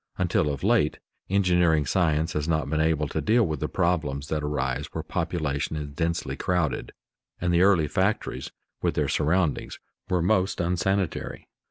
Until of late, engineering science has not been able to deal with the problems that arise where population is densely crowded, and the early factories with their surroundings were most unsanitary.